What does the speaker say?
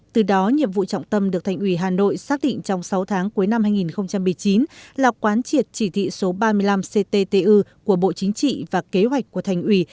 từ đó nhiệm vụ trọng tâm được thành ủy hà nội xác định trong sáu tháng cuối năm hai nghìn một mươi chín là quán triệt chỉ thị số ba mươi năm cttu của bộ chính trị và kế hoạch của thành ủy